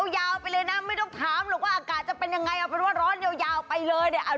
ยาวไปเลยนะไม่ต้องถามหรอกว่าอากาศจะเป็นยังไงเอาเป็นว่าร้อนยาวไปเลยเนี่ย